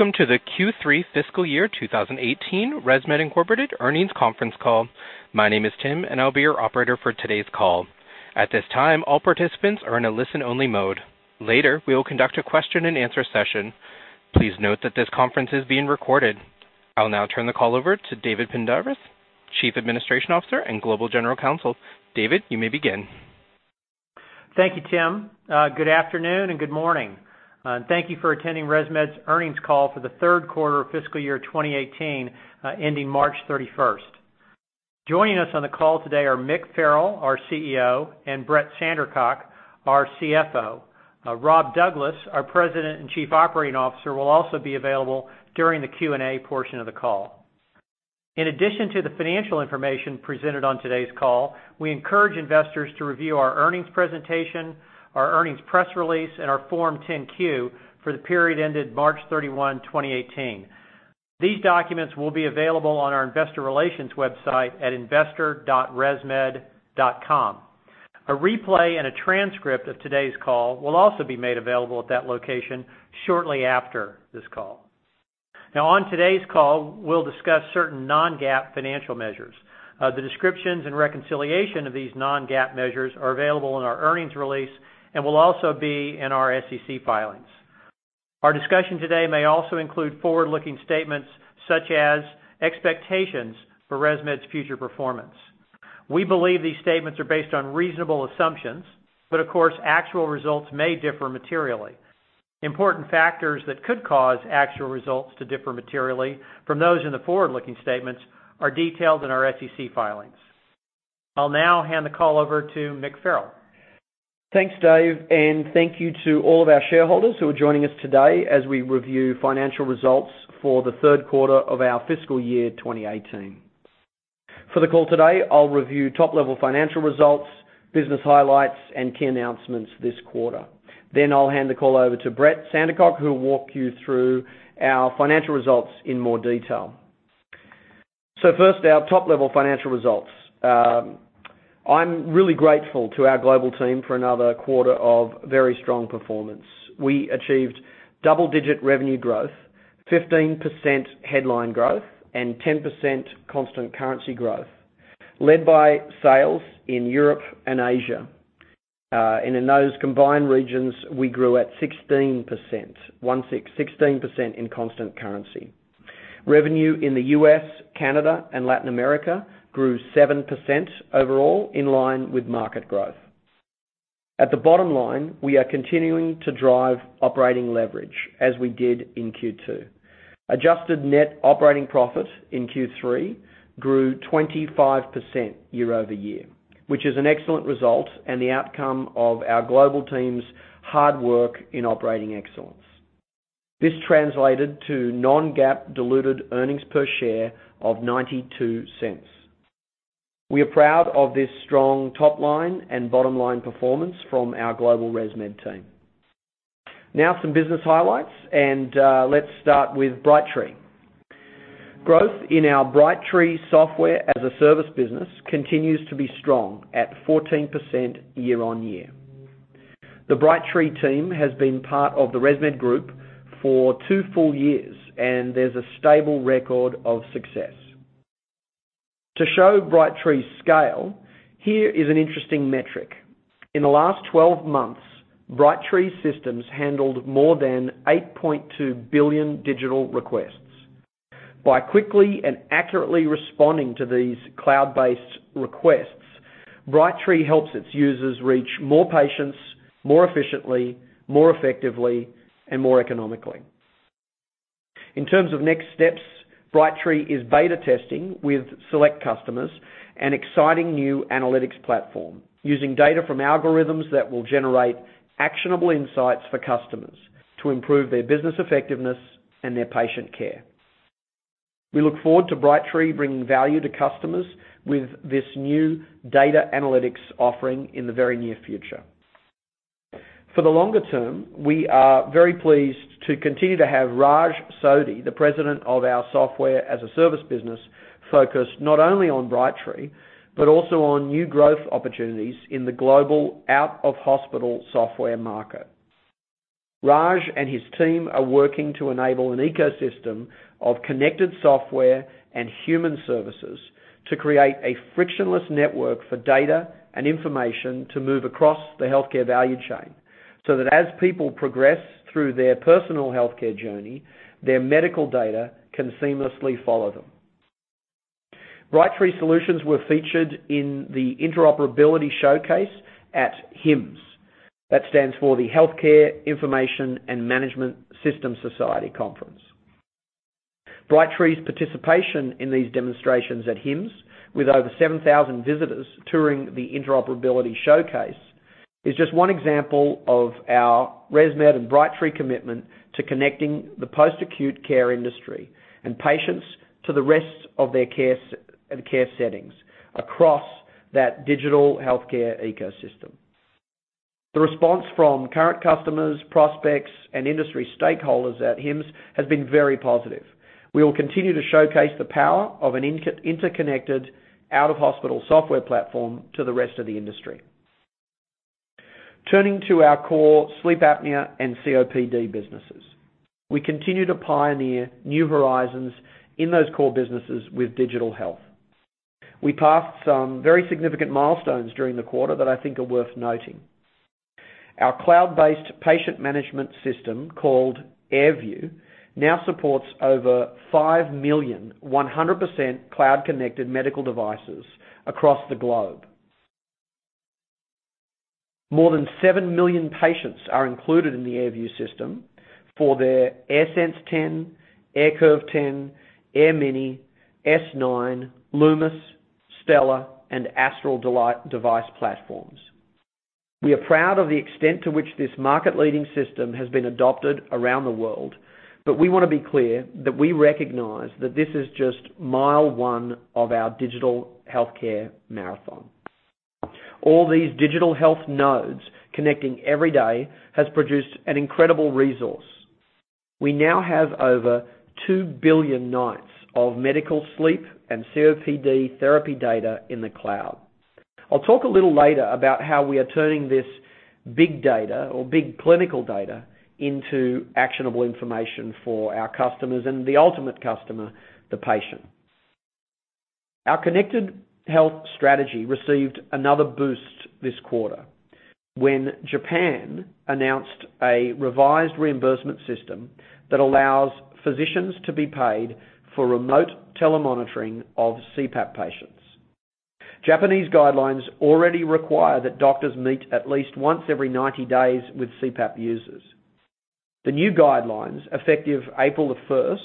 Welcome to the Q3 fiscal year 2018 ResMed Inc. earnings conference call. My name is Tim. I'll be your operator for today's call. At this time, all participants are in a listen-only mode. Later, we will conduct a question and answer session. Please note that this conference is being recorded. I'll now turn the call over to David Pendarvis, Chief Administrative Officer and Global General Counsel. David, you may begin. Thank you, Tim. Good afternoon and good morning. Thank you for attending ResMed's earnings call for the third quarter of fiscal year 2018, ending March 31st. Joining us on the call today are Mick Farrell, our CEO, and Brett Sandercock, our CFO. Rob Douglas, our President and Chief Operating Officer, will also be available during the Q&A portion of the call. In addition to the financial information presented on today's call, we encourage investors to review our earnings presentation, our earnings press release, and our Form 10-Q for the period ended March 31, 2018. These documents will be available on our investor relations website at investor.resmed.com. A replay and a transcript of today's call will also be made available at that location shortly after this call. On today's call, we'll discuss certain non-GAAP financial measures. The descriptions and reconciliation of these non-GAAP measures are available in our earnings release and will also be in our SEC filings. Our discussion today may also include forward-looking statements such as expectations for ResMed's future performance. We believe these statements are based on reasonable assumptions. Of course, actual results may differ materially. Important factors that could cause actual results to differ materially from those in the forward-looking statements are detailed in our SEC filings. I'll now hand the call over to Mick Farrell. Thanks, Dave. Thank you to all of our shareholders who are joining us today as we review financial results for the third quarter of our fiscal year 2018. For the call today, I'll review top-level financial results, business highlights, and key announcements this quarter. I'll hand the call over to Brett Sandercock, who will walk you through our financial results in more detail. First, our top-level financial results. I'm really grateful to our global team for another quarter of very strong performance. We achieved double-digit revenue growth, 15% headline growth, and 10% constant currency growth, led by sales in Europe and Asia. In those combined regions, we grew at 16%, one six, 16% in constant currency. Revenue in the U.S., Canada, and Latin America grew 7% overall, in line with market growth. At the bottom line, we are continuing to drive operating leverage as we did in Q2. Adjusted net operating profit in Q3 grew 25% year-over-year, which is an excellent result and the outcome of our global team's hard work in operating excellence. This translated to non-GAAP diluted earnings per share of $0.92. We are proud of this strong top-line and bottom-line performance from our global ResMed team. Now some business highlights. Let's start with Brightree. Growth in our Brightree software-as-a-service business continues to be strong at 14% year-on-year. The Brightree team has been part of the ResMed group for two full years, and there's a stable record of success. To show Brightree's scale, here is an interesting metric. In the last 12 months, Brightree systems handled more than 8.2 billion digital requests. By quickly and accurately responding to these cloud-based requests, Brightree helps its users reach more patients more efficiently, more effectively, and more economically. In terms of next steps, Brightree is beta testing with select customers an exciting new analytics platform using data from algorithms that will generate actionable insights for customers to improve their business effectiveness and their patient care. We look forward to Brightree bringing value to customers with this new data analytics offering in the very near future. For the longer term, we are very pleased to continue to have Raj Sodhi, the president of our software-as-a-service business, focused not only on Brightree, but also on new growth opportunities in the global out-of-hospital software market. Raj and his team are working to enable an ecosystem of connected software and human services to create a frictionless network for data and information to move across the healthcare value chain, so that as people progress through their personal healthcare journey, their medical data can seamlessly follow them. Brightree solutions were featured in the Interoperability Showcase at HIMSS. That stands for the Healthcare Information and Management Systems Society conference. Brightree's participation in these demonstrations at HIMSS, with over 7,000 visitors touring the Interoperability Showcase, is just one example of our ResMed and Brightree commitment to connecting the post-acute care industry and patients to the rest of their care settings across that digital healthcare ecosystem. The response from current customers, prospects, and industry stakeholders at HIMSS has been very positive. We will continue to showcase the power of an interconnected out-of-hospital software platform to the rest of the industry. Turning to our core sleep apnea and COPD businesses. We continue to pioneer new horizons in those core businesses with digital health. We passed some very significant milestones during the quarter that I think are worth noting. Our cloud-based patient management system, called AirView, now supports over 5 million, 100% cloud-connected medical devices across the globe. More than 7 million patients are included in the AirView system for their AirSense 10, AirCurve 10, AirMini, S9, Lumis, Stellar, and Astral device platforms. We are proud of the extent to which this market-leading system has been adopted around the world, but we want to be clear that we recognize that this is just mile one of our digital healthcare marathon. All these digital health nodes connecting every day has produced an incredible resource. We now have over 2 billion nights of medical sleep and COPD therapy data in the cloud. I'll talk a little later about how we are turning this big data or big clinical data into actionable information for our customers and the ultimate customer, the patient. Our connected health strategy received another boost this quarter when Japan announced a revised reimbursement system that allows physicians to be paid for remote telemonitoring of CPAP patients. Japanese guidelines already require that doctors meet at least once every 90 days with CPAP users. The new guidelines, effective April the 1st,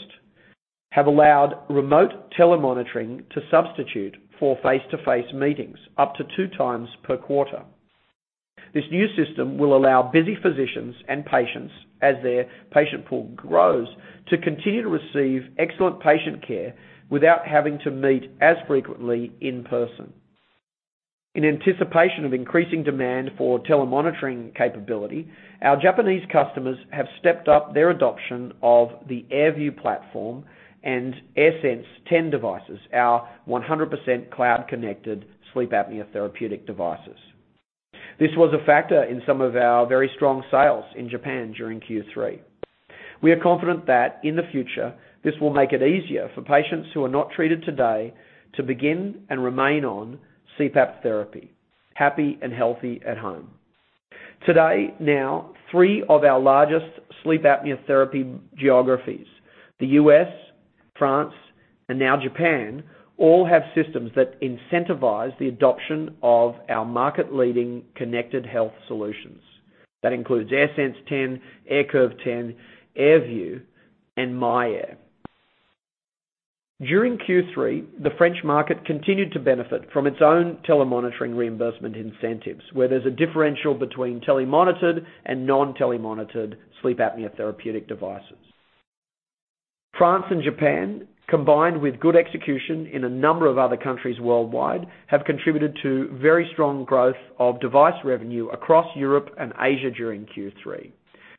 have allowed remote telemonitoring to substitute for face-to-face meetings up to two times per quarter. This new system will allow busy physicians and patients, as their patient pool grows, to continue to receive excellent patient care without having to meet as frequently in person. In anticipation of increasing demand for telemonitoring capability, our Japanese customers have stepped up their adoption of the AirView platform and AirSense 10 devices, our 100% cloud-connected sleep apnea therapeutic devices. This was a factor in some of our very strong sales in Japan during Q3. We are confident that in the future, this will make it easier for patients who are not treated today to begin and remain on CPAP therapy, happy and healthy at home. Today, now, three of our largest sleep apnea therapy geographies, the U.S., France, and now Japan, all have systems that incentivize the adoption of our market-leading connected health solutions. That includes AirSense 10, AirCurve 10, AirView, and myAir. During Q3, the French market continued to benefit from its own telemonitoring reimbursement incentives, where there's a differential between telemonitored and non-telemonitored sleep apnea therapeutic devices. France and Japan, combined with good execution in a number of other countries worldwide, have contributed to very strong growth of device revenue across Europe and Asia during Q3.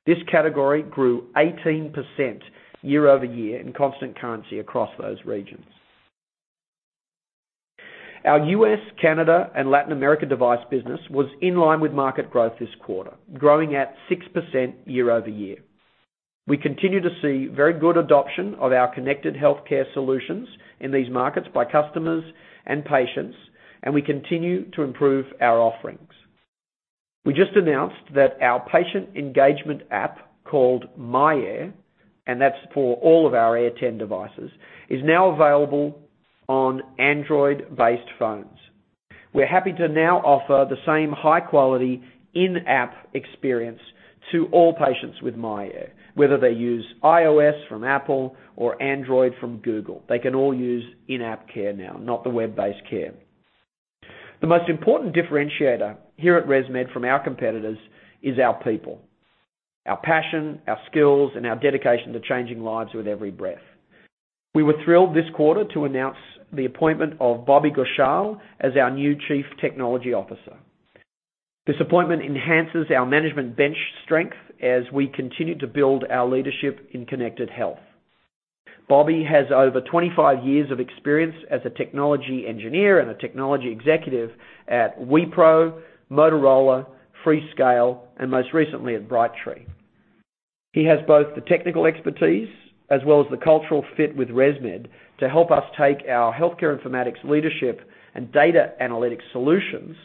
This category grew 18% year-over-year in constant currency across those regions. Our U.S., Canada, and Latin America device business was in line with market growth this quarter, growing at 6% year-over-year. We continue to see very good adoption of our connected healthcare solutions in these markets by customers and patients, and we continue to improve our offerings. We just announced that our patient engagement app, called myAir, that's for all of our Air10 devices, is now available on Android-based phones. We're happy to now offer the same high-quality in-app experience to all patients with myAir. Whether they use iOS from Apple or Android from Google, they can all use in-app care now, not the web-based care. The most important differentiator here at ResMed from our competitors is our people. Our passion, our skills, and our dedication to changing lives with every breath. We were thrilled this quarter to announce the appointment of Bobby Ghoshal as our new Chief Technology Officer. This appointment enhances our management bench strength as we continue to build our leadership in connected health. Bobby has over 25 years of experience as a technology engineer and a technology executive at Wipro, Motorola, Freescale, and most recently at Brightree. He has both the technical expertise as well as the cultural fit with ResMed to help us take our healthcare informatics leadership and data analytics solutions,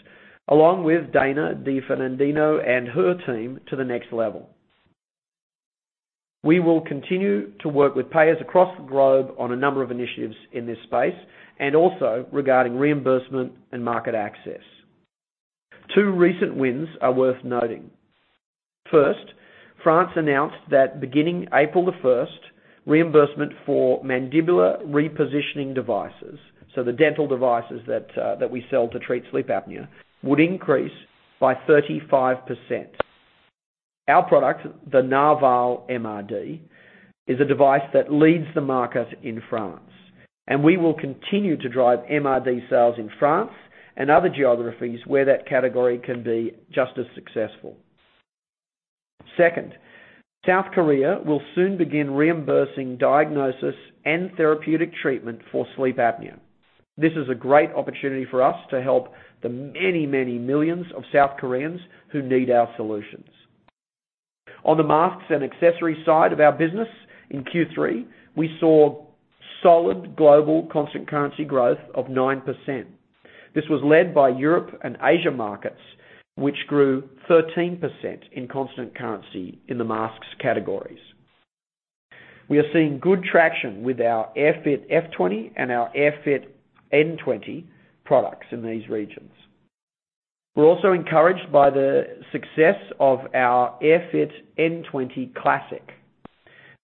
along with Dana DiFerdinando and her team, to the next level. We will continue to work with payers across the globe on a number of initiatives in this space, also regarding reimbursement and market access. Two recent wins are worth noting. First, France announced that beginning April the 1st, reimbursement for mandibular repositioning devices, so the dental devices that we sell to treat sleep apnea, would increase by 35%. Our product, the Narval MRD, is a device that leads the market in France. We will continue to drive MRD sales in France and other geographies where that category can be just as successful. Second, South Korea will soon begin reimbursing diagnosis and therapeutic treatment for sleep apnea. This is a great opportunity for us to help the many, many millions of South Koreans who need our solutions. On the masks and accessories side of our business, in Q3, we saw solid global constant currency growth of 9%. This was led by Europe and Asia markets, which grew 13% in constant currency in the masks categories. We are seeing good traction with our AirFit F20 and our AirFit N20 products in these regions. We are also encouraged by the success of our AirFit N20 Classic.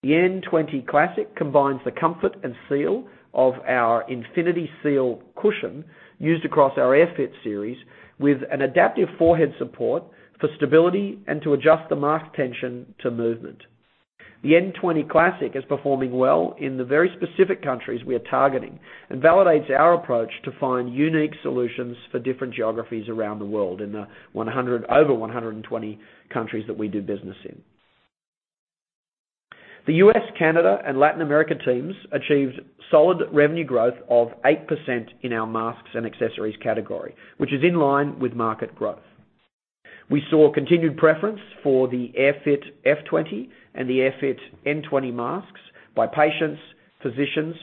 The N20 Classic combines the comfort and seal of our InfinitySeal cushion used across our AirFit series with an adaptive forehead support for stability and to adjust the mask tension to movement. The N20 Classic is performing well in the very specific countries we are targeting and validates our approach to find unique solutions for different geographies around the world in the 120 countries that we do business in. The U.S., Canada, and Latin America teams achieved solid revenue growth of 8% in our masks and accessories category, which is in line with market growth. We saw continued preference for the AirFit F20 and the AirFit N20 masks by patients, physicians,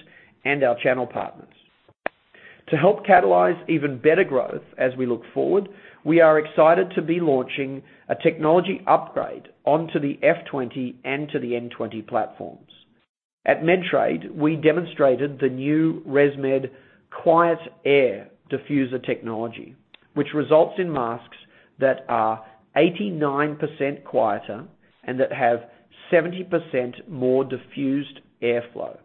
and our channel partners. To help catalyze even better growth as we look forward, we are excited to be launching a technology upgrade onto the F20 and to the N20 platforms. At Medtrade, we demonstrated the new ResMed QuietAir diffuser technology, which results in masks that are 89% quieter and that have 70% more diffused airflow.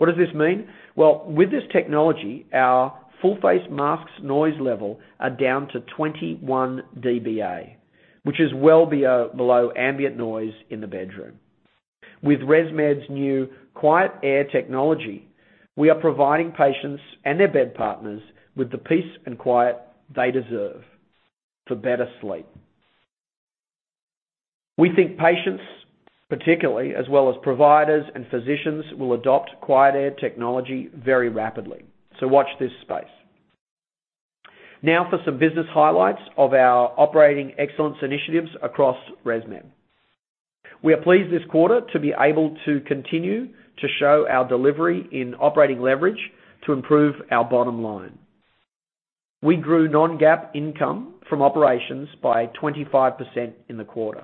With this technology, our full face masks noise level are down to 21 dBA, which is well below ambient noise in the bedroom. With ResMed's new QuietAir technology, we are providing patients and their bed partners with the peace and quiet they deserve for better sleep. We think patients, particularly, as well as providers and physicians, will adopt QuietAir technology very rapidly. Watch this space. Now for some business highlights of our operating excellence initiatives across ResMed. We are pleased this quarter to be able to continue to show our delivery in operating leverage to improve our bottom line. We grew non-GAAP income from operations by 25% in the quarter.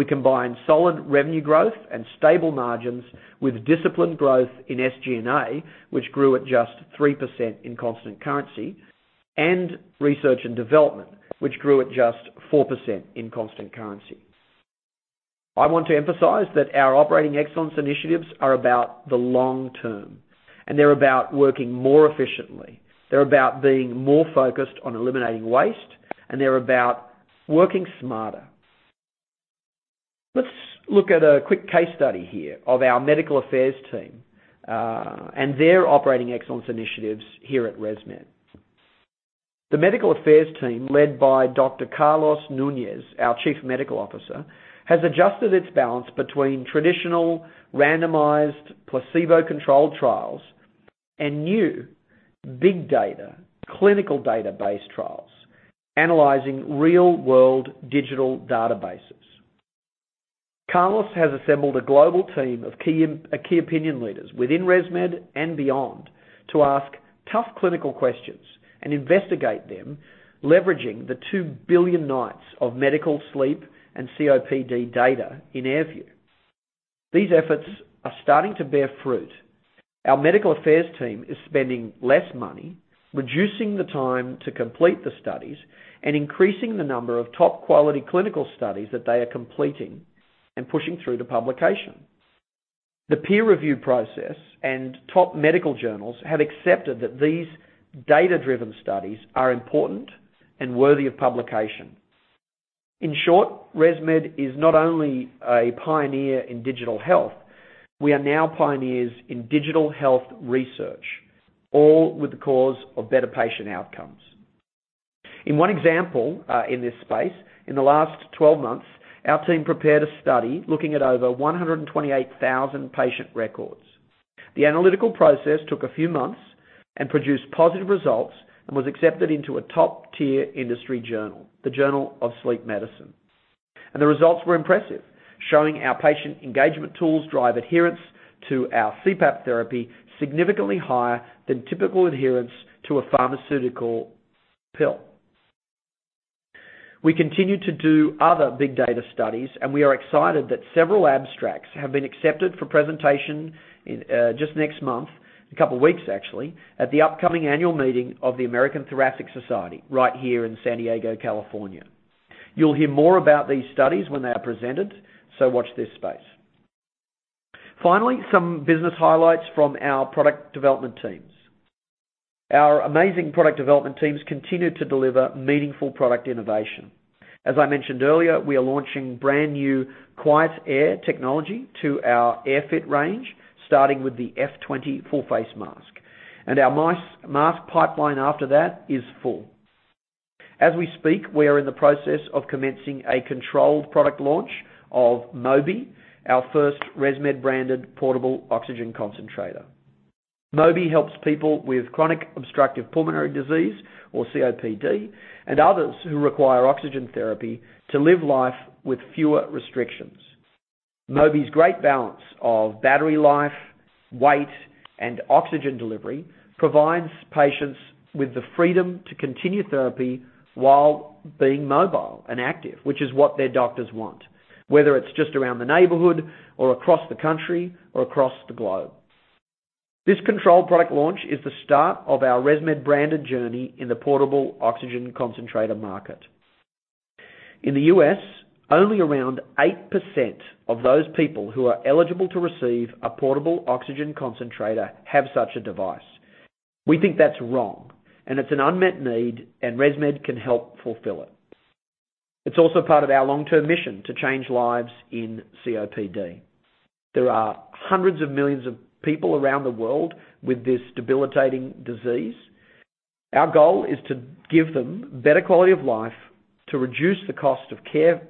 We combined solid revenue growth and stable margins with disciplined growth in SG&A, which grew at just 3% in constant currency, and research and development, which grew at just 4% in constant currency. I want to emphasize that our operating excellence initiatives are about the long term, and they are about working more efficiently. They are about being more focused on eliminating waste, and they are about working smarter. Let's look at a quick case study here of our medical affairs team, and their operating excellence initiatives here at ResMed. The medical affairs team, led by Dr. Carlos Nunez, our Chief Medical Officer, has adjusted its balance between traditional randomized placebo-controlled trials and new big data, clinical database trials analyzing real-world digital databases. Carlos has assembled a global team of key opinion leaders within ResMed and beyond to ask tough clinical questions and investigate them, leveraging the 2 billion nights of medical, sleep, and COPD data in AirView. These efforts are starting to bear fruit. Our medical affairs team is spending less money, reducing the time to complete the studies, and increasing the number of top-quality clinical studies that they are completing and pushing through to publication. The peer review process and top medical journals have accepted that these data-driven studies are important and worthy of publication. In short, ResMed is not only a pioneer in digital health, we are now pioneers in digital health research, all with the cause of better patient outcomes. In one example, in this space, in the last 12 months, our team prepared a study looking at over 128,000 patient records. The analytical process took a few months and produced positive results and was accepted into a top-tier industry journal, the "Journal of Clinical Sleep Medicine." The results were impressive, showing our patient engagement tools drive adherence to our CPAP therapy significantly higher than typical adherence to a pharmaceutical pill. We continue to do other big data studies, and we are excited that several abstracts have been accepted for presentation just next month, a couple of weeks actually, at the upcoming annual meeting of the American Thoracic Society right here in San Diego, California. You'll hear more about these studies when they are presented, so watch this space. Finally, some business highlights from our product development teams. Our amazing product development teams continue to deliver meaningful product innovation. As I mentioned earlier, we are launching brand-new QuietAir technology to our AirFit range, starting with the F20 full face mask. Our mask pipeline after that is full. As we speak, we are in the process of commencing a controlled product launch of Mobi, our first ResMed-branded portable oxygen concentrator. Mobi helps people with chronic obstructive pulmonary disease, or COPD, and others who require oxygen therapy to live life with fewer restrictions. Mobi's great balance of battery life, weight, and oxygen delivery provides patients with the freedom to continue therapy while being mobile and active, which is what their doctors want, whether it's just around the neighborhood or across the country or across the globe. This controlled product launch is the start of our ResMed branded journey in the portable oxygen concentrator market. In the U.S., only around 8% of those people who are eligible to receive a portable oxygen concentrator have such a device. We think that's wrong, and it's an unmet need, and ResMed can help fulfill it. It's also part of our long-term mission to change lives in COPD. There are hundreds of millions of people around the world with this debilitating disease. Our goal is to give them better quality of life, to reduce the cost of care,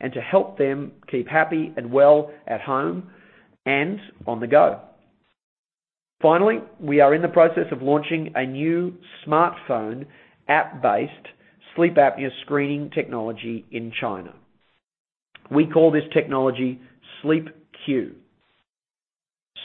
and to help them keep happy and well at home and on the go. Finally, we are in the process of launching a new smartphone app-based sleep apnea screening technology in China. We call this technology SleepQ.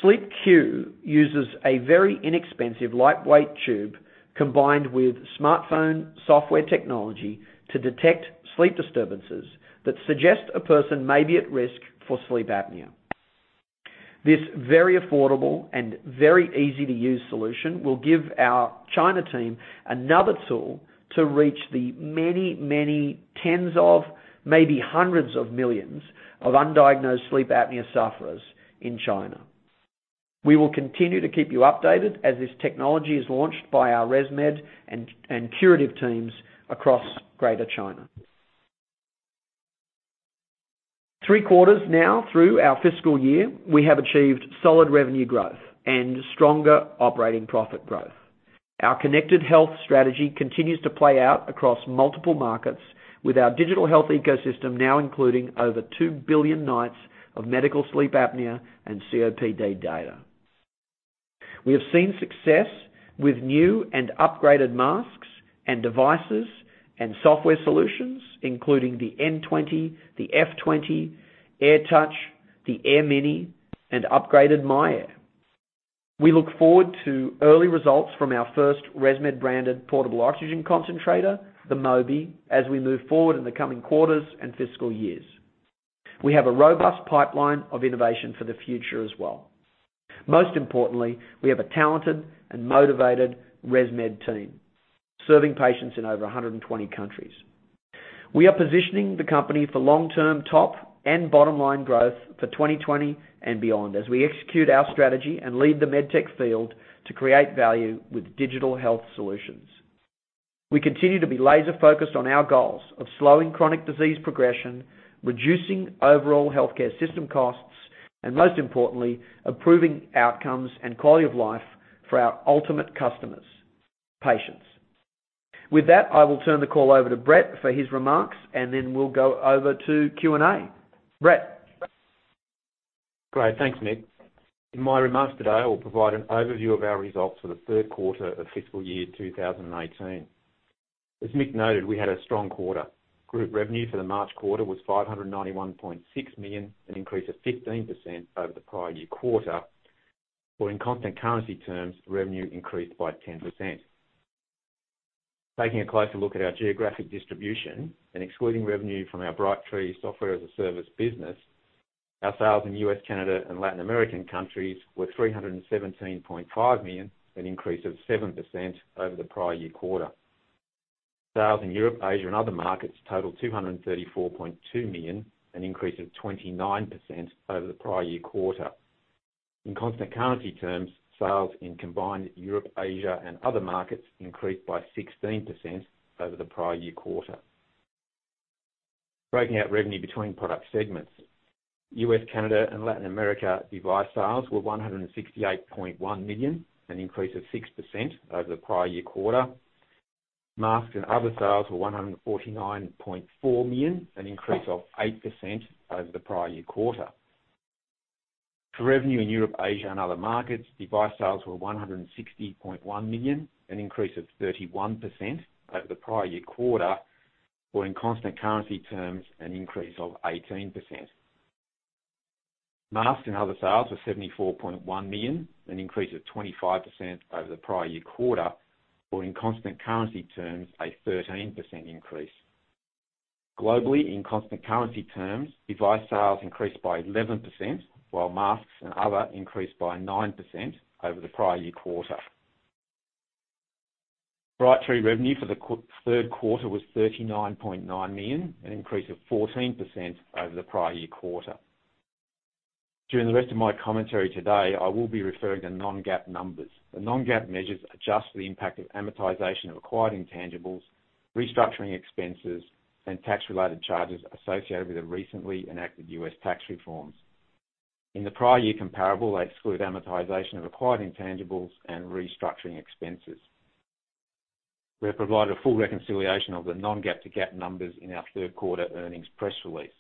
SleepQ uses a very inexpensive, lightweight tube combined with smartphone software technology to detect sleep disturbances that suggest a person may be at risk for sleep apnea. This very affordable and very easy-to-use solution will give our China team another tool to reach the many, many tens of maybe hundreds of millions of undiagnosed sleep apnea sufferers in China. We will continue to keep you updated as this technology is launched by our ResMed and Curative teams across Greater China. Three quarters now through our fiscal year, we have achieved solid revenue growth and stronger operating profit growth. Our connected health strategy continues to play out across multiple markets with our digital health ecosystem now including over 2 billion nights of medical sleep apnea and COPD data. We have seen success with new and upgraded masks and devices and software solutions, including the N20, the F20, AirTouch, the AirMini and upgraded myAir. We look forward to early results from our first ResMed branded portable oxygen concentrator, the Mobi, as we move forward in the coming quarters and fiscal years. We have a robust pipeline of innovation for the future as well. Most importantly, we have a talented and motivated ResMed team serving patients in over 120 countries. We are positioning the company for long-term top and bottom-line growth for 2020 and beyond as we execute our strategy and lead the med tech field to create value with digital health solutions. We continue to be laser-focused on our goals of slowing chronic disease progression, reducing overall healthcare system costs, and most importantly, improving outcomes and quality of life for our ultimate customers, patients. With that, I will turn the call over to Brett for his remarks, and then we'll go over to Q&A. Brett? Great. Thanks, Mick. In my remarks today, I will provide an overview of our results for the third quarter of fiscal year 2018. As Mick noted, we had a strong quarter. Group revenue for the March quarter was $591.6 million, an increase of 15% over the prior year quarter. Or in constant currency terms, revenue increased by 10%. Taking a closer look at our geographic distribution and excluding revenue from our Brightree software as a service business, our sales in U.S., Canada, and Latin American countries were $317.5 million, an increase of 7% over the prior year quarter. Sales in Europe, Asia, and other markets totaled $234.2 million, an increase of 29% over the prior year quarter. In constant currency terms, sales in combined Europe, Asia, and other markets increased by 16% over the prior year quarter. Breaking out revenue between product segments. U.S., Canada, and Latin America device sales were $168.1 million, an increase of 6% over the prior year quarter. Masks and other sales were $149.4 million, an increase of 8% over the prior year quarter. For revenue in Europe, Asia, and other markets, device sales were $160.1 million, an increase of 31% over the prior year quarter, or in constant currency terms, an increase of 18%. Masks and other sales were $74.1 million, an increase of 25% over the prior year quarter, or in constant currency terms, a 13% increase. Globally, in constant currency terms, device sales increased by 11%, while masks and other increased by 9% over the prior year quarter. Brightree revenue for the third quarter was $39.9 million, an increase of 14% over the prior year quarter. During the rest of my commentary today, I will be referring to non-GAAP numbers. The non-GAAP measures adjust for the impact of amortization of acquired intangibles, restructuring expenses, and tax-related charges associated with the recently enacted U.S. tax reforms. In the prior year comparable, they exclude amortization of acquired intangibles and restructuring expenses. We have provided a full reconciliation of the non-GAAP to GAAP numbers in our third quarter earnings press release.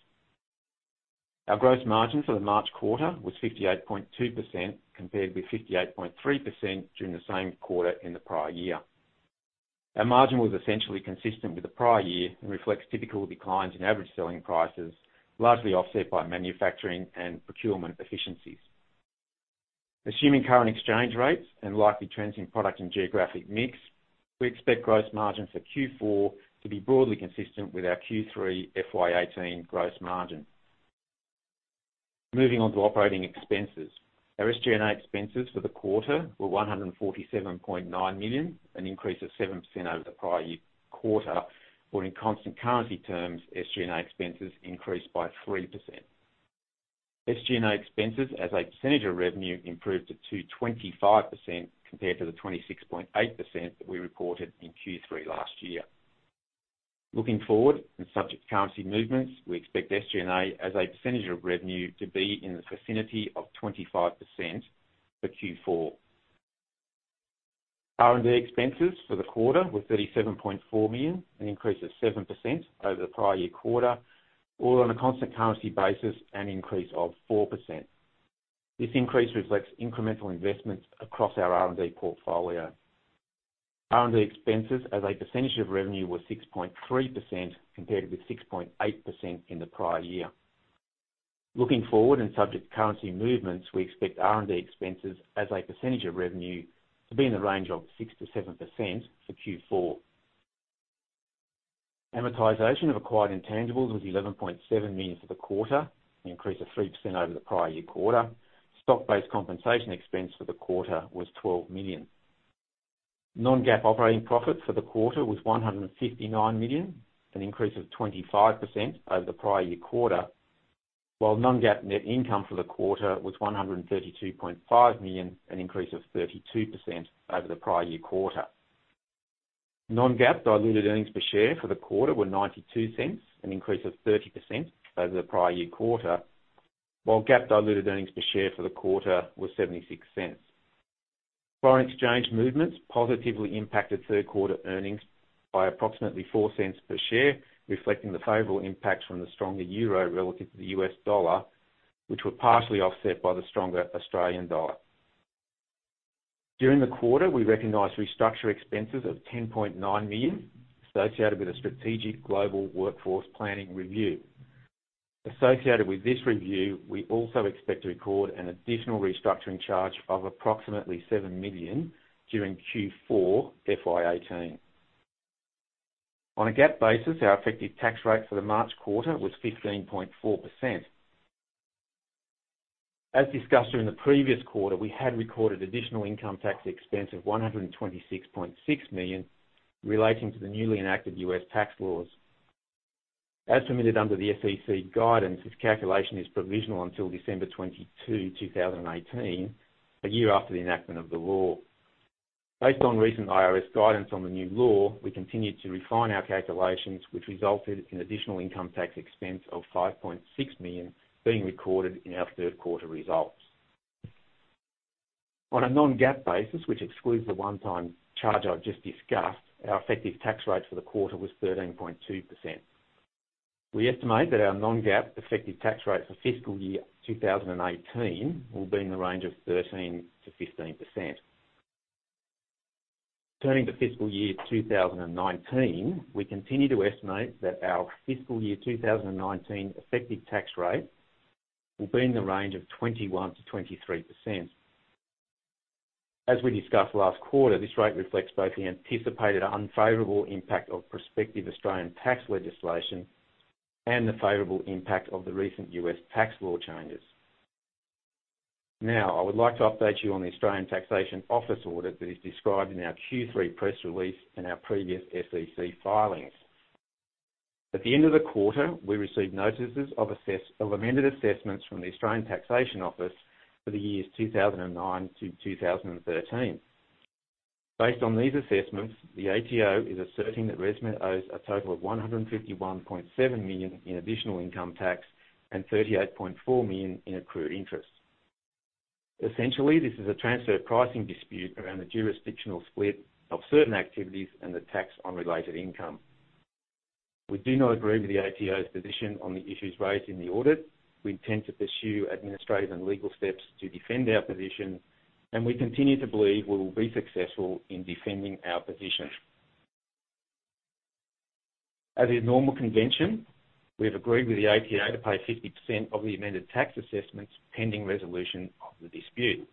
Our gross margin for the March quarter was 58.2% compared with 58.3% during the same quarter in the prior year. Our margin was essentially consistent with the prior year and reflects typical declines in average selling prices, largely offset by manufacturing and procurement efficiencies. Assuming current exchange rates and likely trends in product and geographic mix, we expect gross margin for Q4 to be broadly consistent with our Q3 FY 2018 gross margin. Moving on to operating expenses. Our SG&A expenses for the quarter were $147.9 million, an increase of 7% over the prior year quarter, or in constant currency terms, SG&A expenses increased by 3%. SG&A expenses as a percentage of revenue improved to 25% compared to the 26.8% that we reported in Q3 last year. Looking forward, subject to currency movements, we expect SG&A as a percentage of revenue to be in the vicinity of 25% for Q4. R&D expenses for the quarter were $37.4 million, an increase of 7% over the prior year quarter, or on a constant currency basis, an increase of 4%. This increase reflects incremental investments across our R&D portfolio. R&D expenses as a percentage of revenue were 6.3% compared with 6.8% in the prior year. Looking forward, subject to currency movements, we expect R&D expenses as a percentage of revenue to be in the range of 6%-7% for Q4. Amortization of acquired intangibles was $11.7 million for the quarter, an increase of 3% over the prior year quarter. Stock-based compensation expense for the quarter was $12 million. Non-GAAP operating profit for the quarter was $159 million, an increase of 25% over the prior year quarter, while non-GAAP net income for the quarter was $132.5 million, an increase of 32% over the prior year quarter. Non-GAAP diluted earnings per share for the quarter were $0.92, an increase of 30% over the prior year quarter, while GAAP diluted earnings per share for the quarter were $0.76. Foreign exchange movements positively impacted third quarter earnings by approximately $0.04 per share, reflecting the favorable impacts from the stronger EUR relative to the U.S. dollar, which were partially offset by the stronger AUD. During the quarter, we recognized restructure expenses of $10.9 million associated with a strategic global workforce planning review. Associated with this review, we also expect to record an additional restructuring charge of approximately $7 million during Q4 FY 2018. On a GAAP basis, our effective tax rate for the March quarter was 15.4%. As discussed during the previous quarter, we had recorded additional income tax expense of $126.6 million relating to the newly enacted U.S. tax laws. As submitted under the SEC guidance, this calculation is provisional until December 22, 2018, a year after the enactment of the law. Based on recent IRS guidance on the new law, we continued to refine our calculations, which resulted in additional income tax expense of $5.6 million being recorded in our third quarter results. On a non-GAAP basis, which excludes the one-time charge I've just discussed, our effective tax rate for the quarter was 13.2%. We estimate that our non-GAAP effective tax rate for fiscal year 2018 will be in the range of 13%-15%. Turning to fiscal year 2019, we continue to estimate that our fiscal year 2019 effective tax rate will be in the range of 21%-23%. As we discussed last quarter, this rate reflects both the anticipated unfavorable impact of prospective Australian tax legislation and the favorable impact of the recent U.S. tax law changes. I would like to update you on the Australian Taxation Office audit that is described in our Q3 press release and our previous SEC filings. At the end of the quarter, we received notices of amended assessments from the Australian Taxation Office for the years 2009 to 2013. Based on these assessments, the ATO is asserting that ResMed owes a total of $151.7 million in additional income tax and $38.4 million in accrued interest. Essentially, this is a transfer pricing dispute around the jurisdictional split of certain activities and the tax on related income. We do not agree with the ATO's position on the issues raised in the audit. We intend to pursue administrative and legal steps to defend our position, and we continue to believe we will be successful in defending our position. As is normal convention, we have agreed with the ATO to pay 50% of the amended tax assessments pending resolution of the dispute.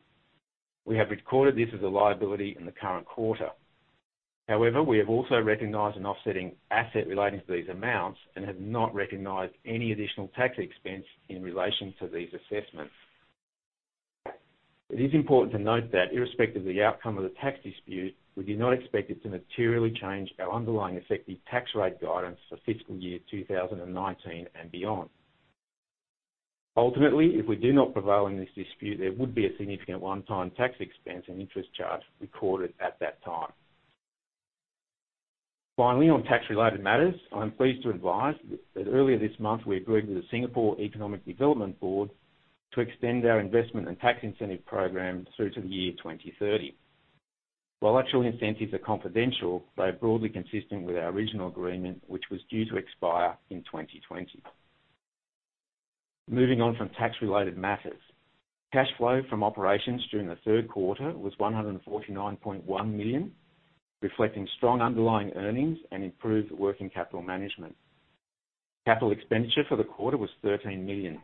We have recorded this as a liability in the current quarter. However, we have also recognized an offsetting asset relating to these amounts and have not recognized any additional tax expense in relation to these assessments. It is important to note that irrespective of the outcome of the tax dispute, we do not expect it to materially change our underlying effective tax rate guidance for fiscal year 2019 and beyond. Ultimately, if we do not prevail in this dispute, there would be a significant one-time tax expense and interest charge recorded at that time. Finally, on tax-related matters, I'm pleased to advise that earlier this month, we agreed with the Singapore Economic Development Board to extend our investment and tax incentive program through to the year 2030. While actual incentives are confidential, they are broadly consistent with our original agreement, which was due to expire in 2020. Moving on from tax-related matters. Cash flow from operations during the third quarter was $149.1 million, reflecting strong underlying earnings and improved working capital management. Capital expenditure for the quarter was $13 million.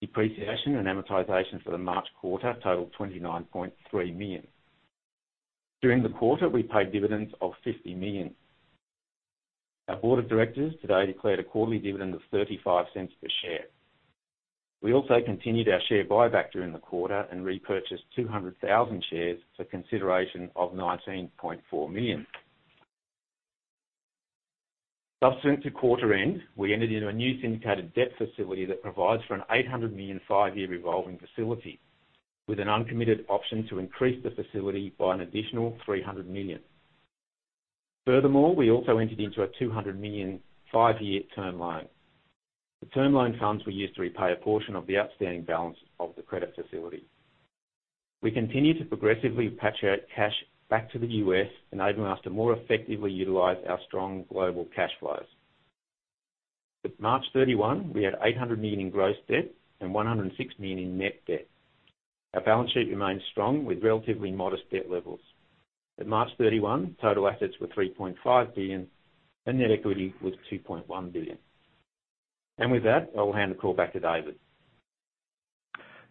Depreciation and amortization for the March quarter totaled $29.3 million. During the quarter, we paid dividends of $50 million. Our board of directors today declared a quarterly dividend of $0.35 per share. We also continued our share buyback during the quarter and repurchased 200,000 shares for consideration of $19.4 million. Subsequent to quarter end, we entered into a new syndicated debt facility that provides for an $800 million, five-year revolving facility with an uncommitted option to increase the facility by an additional $300 million. Furthermore, we also entered into a $200 million five-year term loan. The term loan funds were used to repay a portion of the outstanding balance of the credit facility. We continue to progressively repatriate cash back to the U.S., enabling us to more effectively utilize our strong global cash flows. At March 31, we had $800 million in gross debt and $106 million in net debt. Our balance sheet remains strong with relatively modest debt levels. At March 31, total assets were $3.5 billion, and net equity was $2.1 billion. With that, I will hand the call back to David.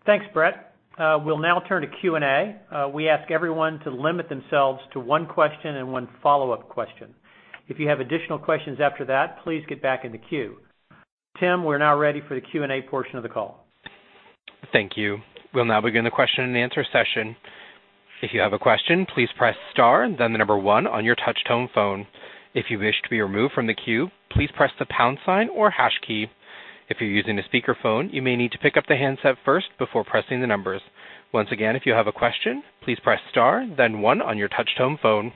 Thanks, Brett. We'll now turn to Q&A. We ask everyone to limit themselves to one question and one follow-up question. If you have additional questions after that, please get back in the queue. Tim, we're now ready for the Q&A portion of the call. Thank you. We'll now begin the question and answer session. If you have a question, please press star then the number one on your touch-tone phone. If you wish to be removed from the queue, please press the pound sign or hash key. If you're using a speakerphone, you may need to pick up the handset first before pressing the numbers. Once again, if you have a question, please press star then one on your touch-tone phone.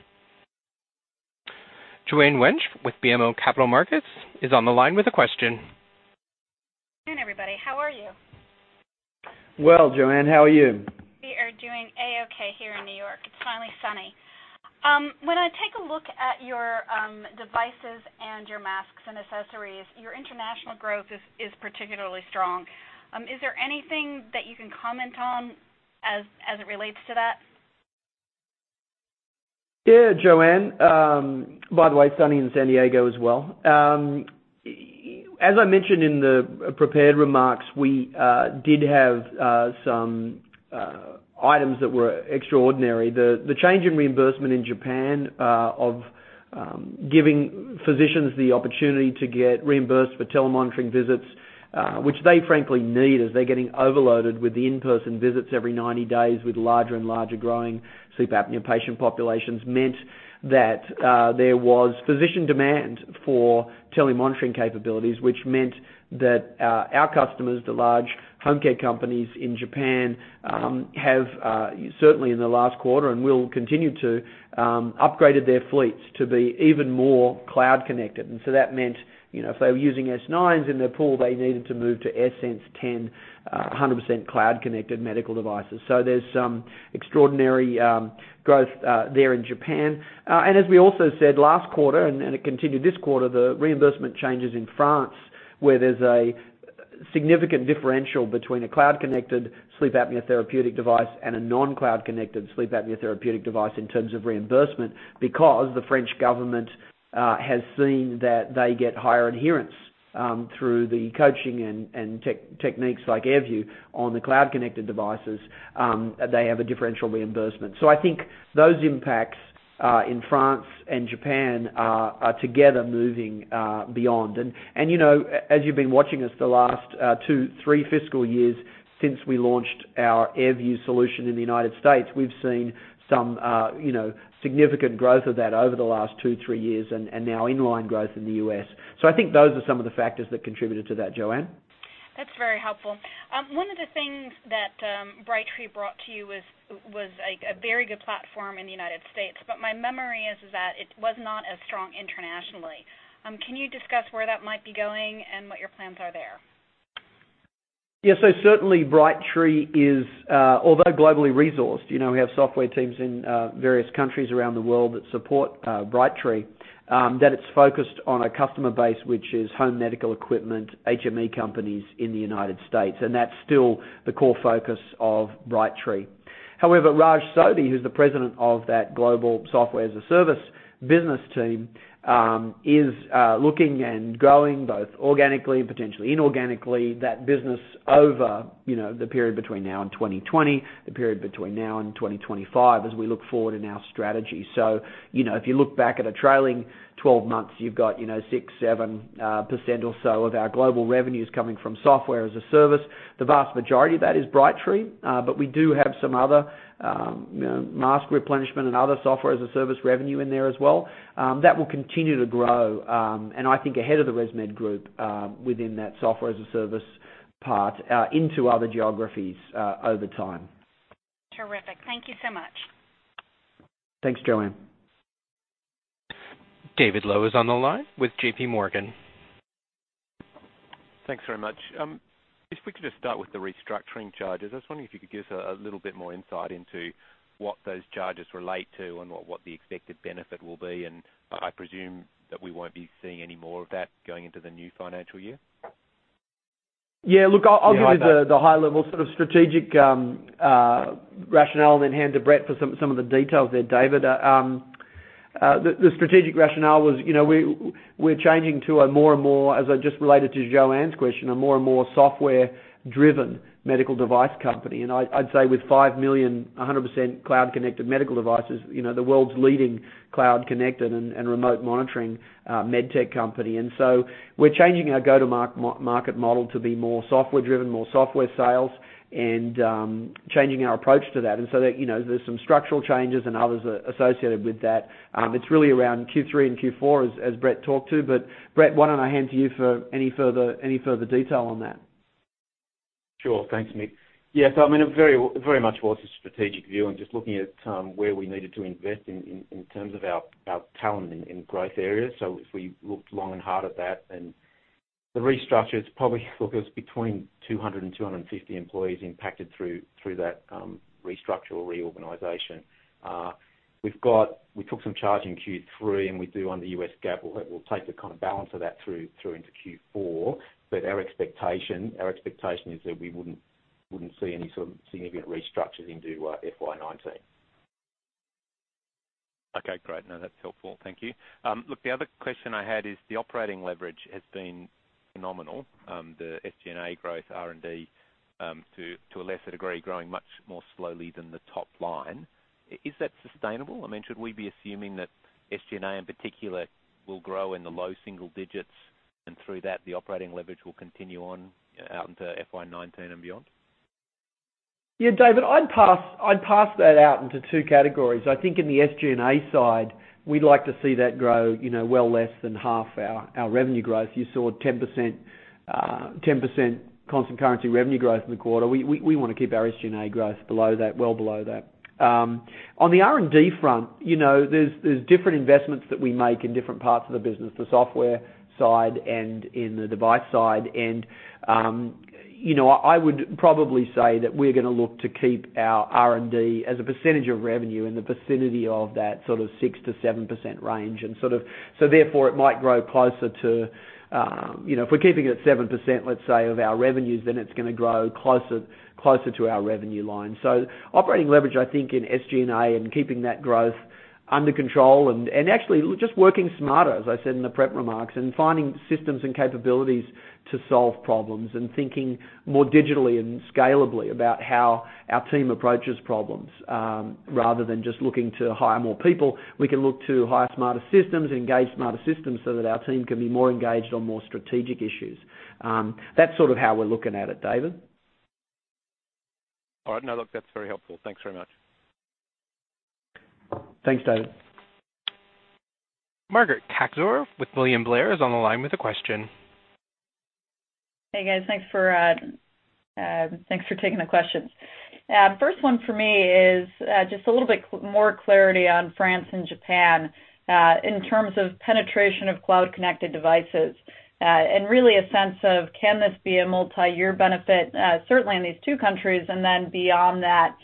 Joanne Wuensch with BMO Capital Markets is on the line with a question. Good afternoon, everybody. How are you? Well, Joanne, how are you? We are doing A-OK here in New York. It's finally sunny. When I take a look at your devices and your masks and accessories, your international growth is particularly strong. Is there anything that you can comment on as it relates to that? Yeah, Joanne. By the way, sunny in San Diego as well. As I mentioned in the prepared remarks, we did have some items that were extraordinary. The change in reimbursement in Japan of giving physicians the opportunity to get reimbursed for telemonitoring visits, which they frankly need as they're getting overloaded with the in-person visits every 90 days with larger and larger growing sleep apnea patient populations, meant that there was physician demand for telemonitoring capabilities, which meant that our customers, the large home care companies in Japan, have, certainly in the last quarter and will continue to, upgraded their fleets to be even more cloud-connected. That meant if they were using S9s in their pool, they needed to move to AirSense 10, 100% cloud-connected medical devices. There's some extraordinary growth there in Japan. As we also said last quarter, and it continued this quarter, the reimbursement changes in France, where there's a significant differential between a cloud-connected sleep apnea therapeutic device and a non-cloud-connected sleep apnea therapeutic device in terms of reimbursement because the French government has seen that they get higher adherence through the coaching and techniques like AirView on the cloud-connected devices. They have a differential reimbursement. I think those impacts in France and Japan are together moving beyond. As you've been watching us the last two, three fiscal years since we launched our AirView solution in the U.S., we've seen some significant growth of that over the last two, three years and now in-line growth in the U.S. I think those are some of the factors that contributed to that, Joanne. That's very helpful. One of the things that Brightree brought to you was a very good platform in the United States, but my memory is that it was not as strong internationally. Can you discuss where that might be going and what your plans are there? Certainly Brightree is, although globally resourced, we have software teams in various countries around the world that support Brightree, that it's focused on a customer base which is home medical equipment, HME companies in the United States, and that's still the core focus of Brightree. However, Raj Sodhi, who's the President of that global software-as-a-service business team, is looking and growing, both organically and potentially inorganically, that business over the period between now and 2020, the period between now and 2025 as we look forward in our strategy. If you look back at a trailing 12 months, you've got 6%, 7% or so of our global revenues coming from software-as-a-service. The vast majority of that is Brightree. But we do have some other mask replenishment and other software-as-a-service revenue in there as well. That will continue to grow, I think ahead of the ResMed group within that software-as-a-service part into other geographies over time. Terrific. Thank you so much. Thanks, Joanne. David Low is on the line with JP Morgan. Thanks very much. If we could just start with the restructuring charges. I was wondering if you could give us a little bit more insight into what those charges relate to and what the expected benefit will be, and I presume that we won't be seeing any more of that going into the new financial year? I'll give you the high-level strategic rationale and then hand to Brett Sandercock for some of the details there, David Low. The strategic rationale was we're changing to, as I just related to Joanne's question, a more and more software-driven medical device company. I'd say with 5 million, 100% cloud-connected medical devices, the world's leading cloud connected and remote monitoring med tech company. We're changing our go-to-market model to be more software driven, more software sales, and changing our approach to that. There's some structural changes and others associated with that. It's really around Q3 and Q4 as Brett Sandercock talked to. Brett Sandercock, why don't I hand to you for any further detail on that? Sure. Thanks, Mick Farrell. It very much was a strategic view and just looking at where we needed to invest in terms of our talent and growth areas. We looked long and hard at that, and the restructure, it's probably between 200-250 employees impacted through that restructure or reorganization. We took some charge in Q3, we do on the US GAAP, we'll take the kind of balance of that through into Q4. Our expectation is that we wouldn't see any sort of significant restructures into FY 2019. Okay, great. No, that's helpful. Thank you. The other question I had is the operating leverage has been phenomenal. The SG&A growth, R&D, to a lesser degree, growing much more slowly than the top line. Is that sustainable? Should we be assuming that SG&A, in particular, will grow in the low single digits, and through that, the operating leverage will continue on out into FY 2019 and beyond? David Low, I'd pass that out into 2 categories. I think in the SG&A side, we'd like to see that grow well less than half our revenue growth. You saw a 10% constant currency revenue growth in the quarter. We want to keep our SG&A growth below that, well below that. On the R&D front, there's different investments that we make in different parts of the business, the software side and in the device side. I would probably say that we're going to look to keep our R&D as a percentage of revenue in the vicinity of that sort of 6%-7% range. Therefore, if we're keeping it at 7%, let's say, of our revenues, then it's going to grow closer to our revenue line. Operating leverage, I think in SG&A and keeping that growth under control and actually just working smarter, as I said in the prep remarks, and finding systems and capabilities to solve problems and thinking more digitally and scalably about how our team approaches problems. Rather than just looking to hire more people, we can look to hire smarter systems, engage smarter systems so that our team can be more engaged on more strategic issues. That's sort of how we're looking at it, David. All right. No, look, that's very helpful. Thanks very much. Thanks, David. Margaret Kaczor with William Blair is on the line with a question. Hey, guys. Thanks for taking the questions. First one for me is, just a little bit more clarity on France and Japan, in terms of penetration of cloud-connected devices. Really a sense of can this be a multi-year benefit, certainly in these two countries, and then beyond that,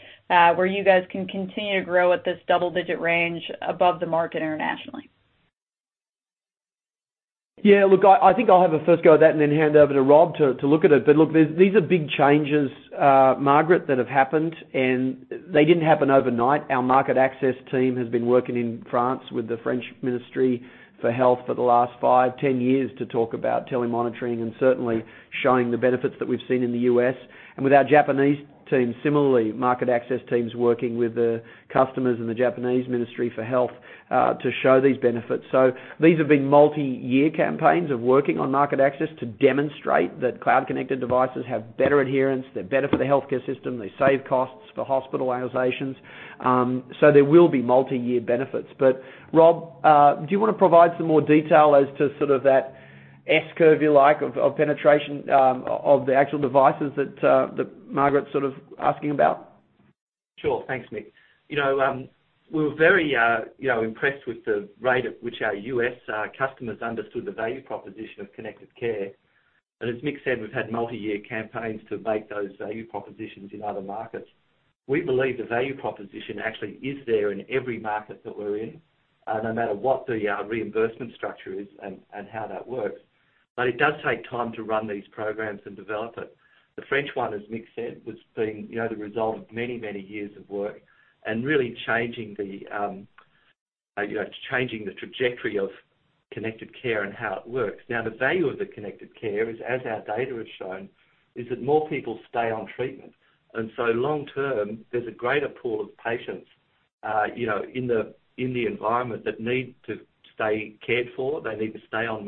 where you guys can continue to grow at this double-digit range above the market internationally? Yeah, look, I think I'll have a first go at that and then hand over to Rob to look at it. Look, these are big changes, Margaret, that have happened, and they didn't happen overnight. Our market access team has been working in France with the Ministry of Health for the last five, 10 years to talk about telemonitoring and certainly showing the benefits that we've seen in the U.S. With our Japanese team, similarly, market access teams working with the customers and the Ministry of Health, Labour and Welfare, to show these benefits. These have been multi-year campaigns of working on market access to demonstrate that cloud-connected devices have better adherence, they're better for the healthcare system, they save costs for hospitalizations. There will be multi-year benefits. Rob, do you want to provide some more detail as to sort of that S-curve, if you like, of penetration of the actual devices that Margaret's sort of asking about? Sure. Thanks, Mick. We were very impressed with the rate at which our U.S. customers understood the value proposition of connected care. As Mick said, we've had multi-year campaigns to make those value propositions in other markets. We believe the value proposition actually is there in every market that we're in, no matter what the reimbursement structure is and how that works. It does take time to run these programs and develop it. The French one, as Mick said, was the result of many years of work and really changing the trajectory of connected care and how it works. Now, the value of the connected care is, as our data has shown, is that more people stay on treatment. So long term, there's a greater pool of patients in the environment that need to stay cared for, they need to stay on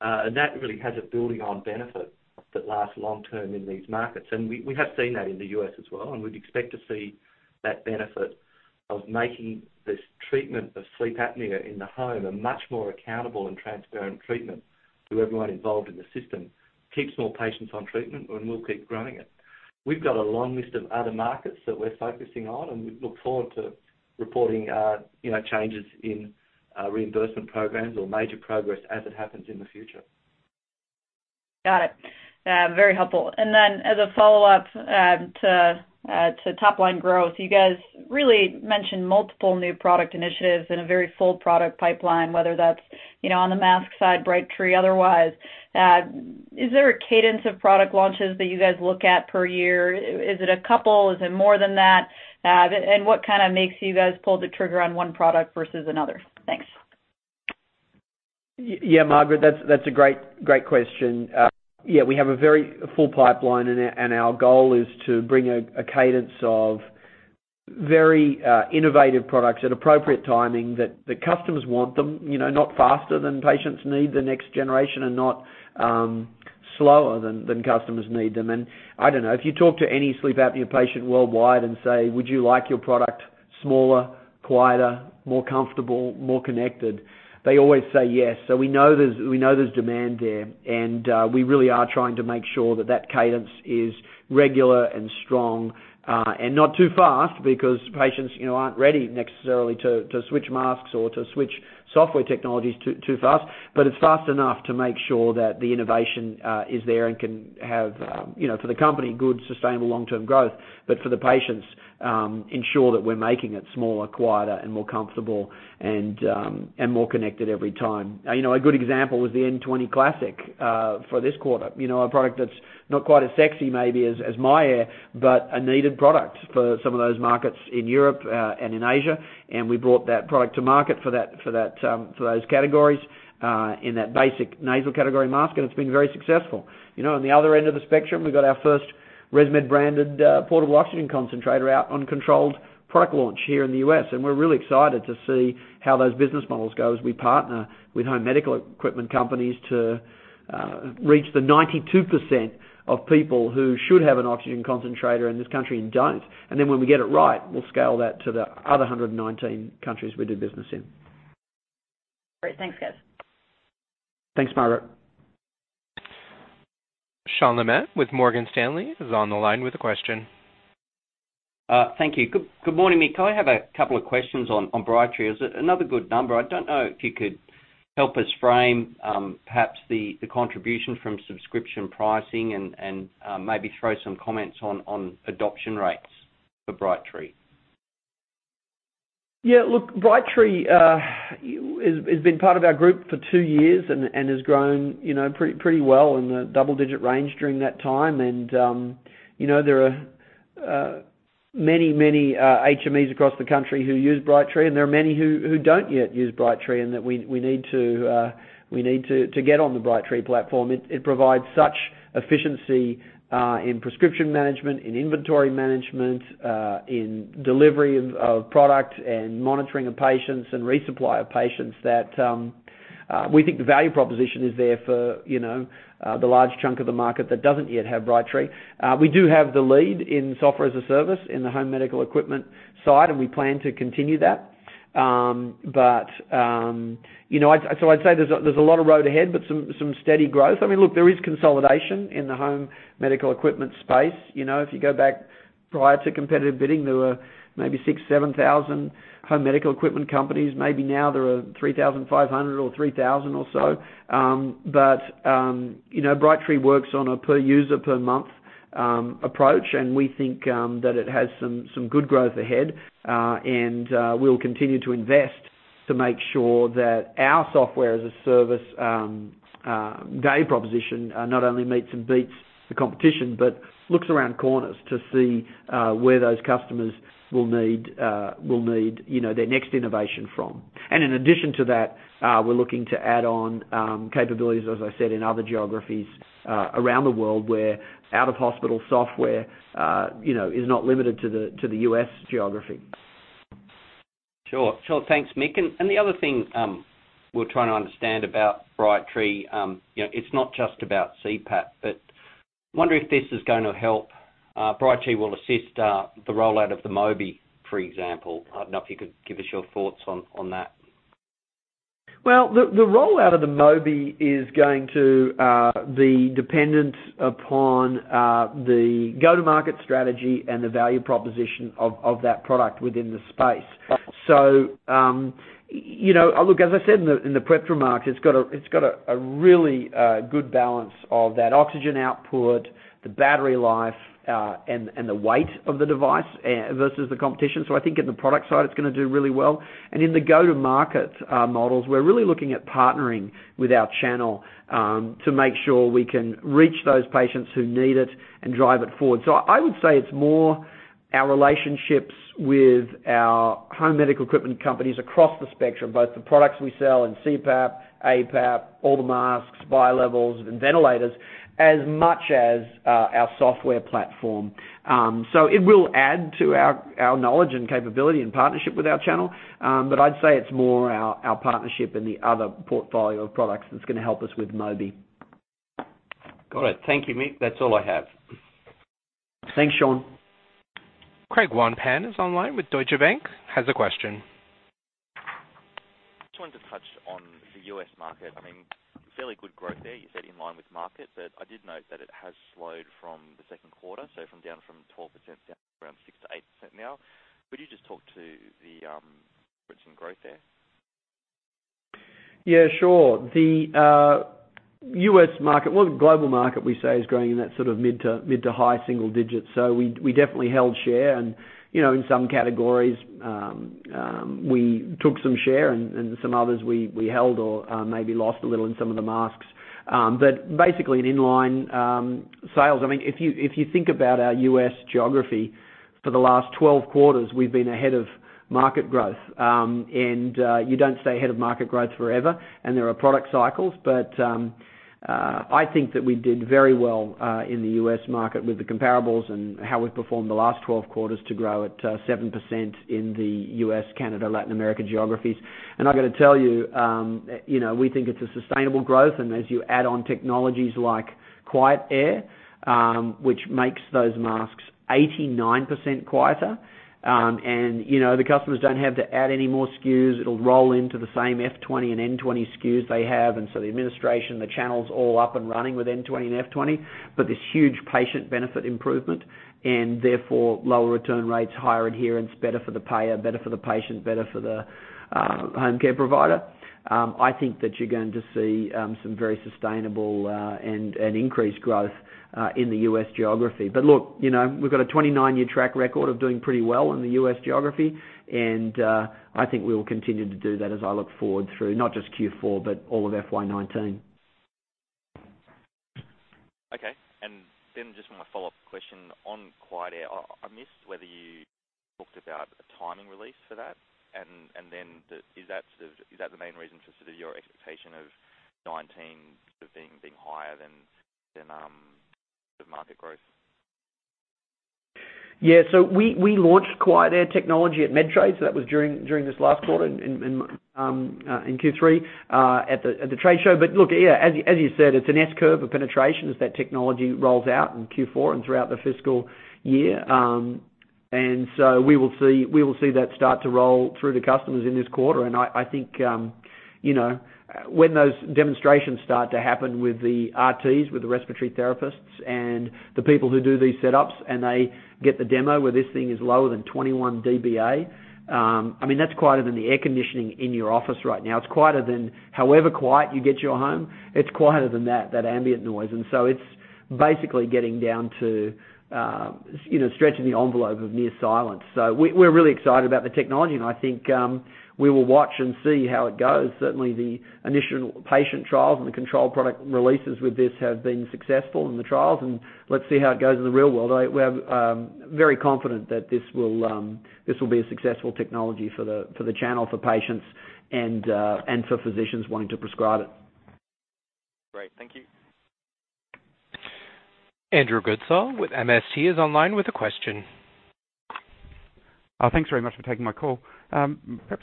mask. That really has a building on benefit that lasts long term in these markets. We have seen that in the U.S. as well, we'd expect to see that benefit of making this treatment of sleep apnea in the home a much more accountable and transparent treatment. To everyone involved in the system. It keeps more patients on treatment, we'll keep growing it. We've got a long list of other markets that we're focusing on, we look forward to reporting changes in reimbursement programs or major progress as it happens in the future. Got it. Very helpful. Then, as a follow-up to top-line growth, you guys really mentioned multiple new product initiatives and a very full product pipeline, whether that's on the mask side, Brightree or otherwise. Is there a cadence of product launches that you guys look at per year? Is it a couple? Is it more than that? What kind of makes you guys pull the trigger on one product versus another? Thanks. Yeah, Margaret, that's a great question. We have a very full pipeline, our goal is to bring a cadence of very innovative products at appropriate timing, that the customers want them, not faster than patients need the next generation not slower than customers need them. I don't know, if you talk to any sleep apnea patient worldwide and say, "Would you like your product smaller, quieter, more comfortable, more connected?" They always say yes. We know there's demand there, we really are trying to make sure that that cadence is regular and strong. Not too fast because patients aren't ready necessarily to switch masks or to switch software technologies too fast. It's fast enough to make sure that the innovation is there and can have, for the company, good, sustainable long-term growth. For the patients, ensure that we're making it smaller, quieter, and more comfortable and more connected every time. A good example was the N20 Classic for this quarter. A product that's not quite as sexy maybe as myAir, but a needed product for some of those markets in Europe and in Asia. We brought that product to market for those categories, in that basic nasal category mask, and it's been very successful. On the other end of the spectrum, we've got our first ResMed-branded portable oxygen concentrator out on controlled product launch here in the U.S., and we're really excited to see how those business models go as we partner with home medical equipment companies to reach the 92% of people who should have an oxygen concentrator in this country and don't. When we get it right, we'll scale that to the other 119 countries we do business in. Great. Thanks, guys. Thanks, Margaret. Sean Laaman with Morgan Stanley is on the line with a question. Thank you. Good morning, Mick. I have a couple of questions on Brightree. Is it another good number? I do not know if you could help us frame perhaps the contribution from subscription pricing and maybe throw some comments on adoption rates for Brightree. Look, Brightree has been part of our group for two years and has grown pretty well in the double-digit range during that time. There are many HMEs across the country who use Brightree, and there are many who do not yet use Brightree and that we need to get on the Brightree platform. It provides such efficiency in prescription management, in inventory management, in delivery of product, and monitoring of patients and resupply of patients that we think the value proposition is there for the large chunk of the market that does not yet have Brightree. We do have the lead in Software-as-a-Service in the home medical equipment side, and we plan to continue that. I'd say there is a lot of road ahead, but some steady growth. Look, there is consolidation in the home medical equipment space. If you go back prior to competitive bidding, there were maybe 6,000 or 7,000 home medical equipment companies. Maybe now there are 3,500 or 3,000 or so. Brightree works on a per-user, per-month approach, and we think that it has some good growth ahead. We will continue to invest to make sure that our Software-as-a-Service value proposition not only meets and beats the competition, but looks around corners to see where those customers will need their next innovation from. In addition to that, we are looking to add on capabilities, as I said, in other geographies around the world, where out-of-hospital software is not limited to the U.S. geography. Sure. Thanks, Mick. The other thing we're trying to understand about Brightree, it's not just about CPAP, but I wonder if this is going to help Brightree will assist the rollout of the Mobi, for example. I don't know if you could give us your thoughts on that. Well, the rollout of the Mobi is going to be dependent upon the go-to-market strategy and the value proposition of that product within the space. Look, as I said in the prepared remarks, it's got a really good balance of that oxygen output, the battery life, and the weight of the device versus the competition. I think in the product side, it's going to do really well. In the go-to-market models, we're really looking at partnering with our channel to make sure we can reach those patients who need it and drive it forward. I would say it's more our relationships with our home medical equipment companies across the spectrum, both the products we sell in CPAP, APAP, auto masks, bilevels, and ventilators, as much as our software platform. It will add to our knowledge and capability and partnership with our channel. I'd say it's more our partnership and the other portfolio of products that's going to help us with Mobi. Got it. Thank you, Mick. That's all I have. Thanks, Sean. Craig Wong-Pan is online with Deutsche Bank, has a question. Just wanted to touch on the U.S. market. Fairly good growth there, you said in line with market, but I did note that it has slowed from the second quarter, down from 12% down to around 6%-8% now. Could you just talk to the recent growth there? Yeah, sure. The U.S. market. Well, the global market, we say, is growing in that mid to high single digits. We definitely held share. In some categories, we took some share, and some others we held or maybe lost a little in some of the masks. Basically an in-line sales. If you think about our U.S. geography for the last 12 quarters, we've been ahead of market growth. You don't stay ahead of market growth forever, and there are product cycles. I think that we did very well, in the U.S. market with the comparables and how we've performed the last 12 quarters to grow at 7% in the U.S., Canada, Latin America geographies. I've got to tell you, we think it's a sustainable growth, and as you add on technologies like QuietAir, which makes those masks 89% quieter. The customers don't have to add any more SKUs. It'll roll into the same F20 and N20 SKUs they have. The administration, the channel's all up and running with N20 and F20. But this huge patient benefit improvement, and therefore lower return rates, higher adherence, better for the payer, better for the patient, better for the home care provider. I think that you're going to see some very sustainable, and increased growth in the U.S. geography. Look, we've got a 29-year track record of doing pretty well in the U.S. geography. I think we will continue to do that as I look forward through not just Q4, but all of FY 2019. Just my follow-up question on QuietAir. I missed whether you talked about a timing release for that, is that the main reason for sort of your expectation of 2019 being higher than market growth? We launched QuietAir technology at Medtrade. That was during this last quarter in Q3, at the trade show. Look, as you said, it's an S-curve of penetration as that technology rolls out in Q4 and throughout the fiscal year. We will see that start to roll through to customers in this quarter, and I think when those demonstrations start to happen with the RTs, with the respiratory therapists and the people who do these setups, and they get the demo where this thing is lower than 21 dBA. That's quieter than the air conditioning in your office right now. It's quieter than however quiet you get your home. It's quieter than that ambient noise. It's basically getting down to stretching the envelope of near silence. We're really excited about the technology, and I think we will watch and see how it goes. Certainly, the initial patient trials and the control product releases with this have been successful in the trials, and let's see how it goes in the real world. We're very confident that this will be a successful technology for the channel, for patients, and for physicians wanting to prescribe it. Great. Thank you. Andrew Goodsall with MST is online with a question. Thanks very much for taking my call. Perhaps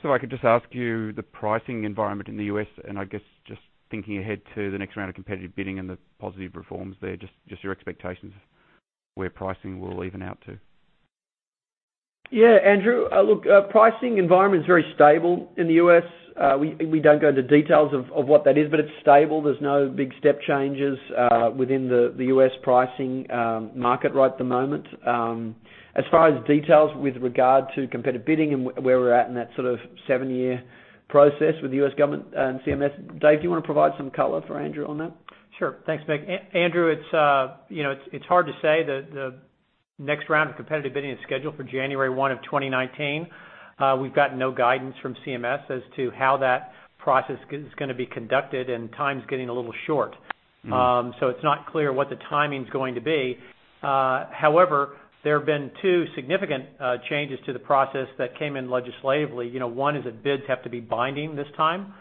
if I could just ask you the pricing environment in the U.S., and I guess just thinking ahead to the next round of competitive bidding and the positive reforms there, just your expectations where pricing will even out to. Yeah, Andrew. Look, pricing environment is very stable in the U.S. We don't go into details of what that is, but it's stable. There's no big step changes within the U.S. pricing market right at the moment. As far as details with regard to competitive bidding and where we're at in that sort of seven-year process with the U.S. government and CMS. Dave, do you want to provide some color for Andrew on that? Sure. Thanks, Mick. Andrew, it's hard to say. The next round of competitive bidding is scheduled for January 1 of 2019. We've got no guidance from CMS as to how that process is going to be conducted, and time's getting a little short. It's not clear what the timing's going to be. However, there have been two significant changes to the process that came in legislatively. One is that bids have to be binding this time.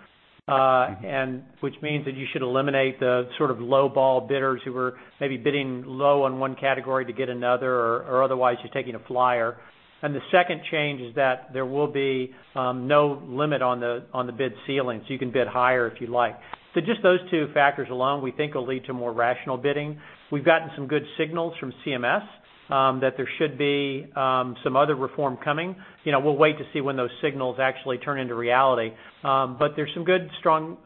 Which means that you should eliminate the sort of lowball bidders who were maybe bidding low on one category to get another or otherwise just taking a flyer. The second change is that there will be no limit on the bid ceiling. You can bid higher if you like. Just those two factors alone, we think will lead to more rational bidding. We've gotten some good signals from CMS, that there should be some other reform coming. We'll wait to see when those signals actually turn into reality. There's some good, strong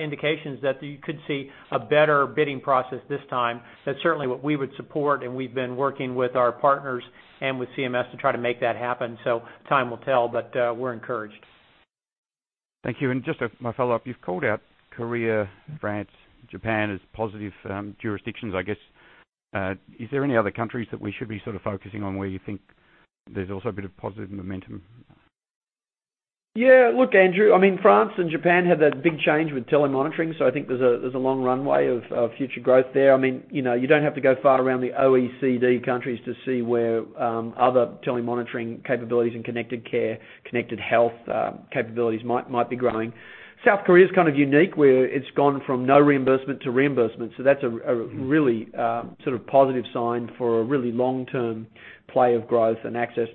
indications that you could see a better bidding process this time. That's certainly what we would support, and we've been working with our partners and with CMS to try to make that happen. Time will tell, but we're encouraged. Thank you. Just my follow-up, you've called out Korea, France, Japan as positive jurisdictions, I guess. Is there any other countries that we should be sort of focusing on where you think there's also a bit of positive momentum? Yeah. Look, Andrew, France and Japan had that big change with telemonitoring. I think there's a long runway of future growth there. You don't have to go far around the OECD countries to see where other telemonitoring capabilities and connected care, connected health capabilities might be growing. South Korea's kind of unique, where it's gone from no reimbursement to reimbursement. That's a really sort of positive sign for a really long-term play of growth and access.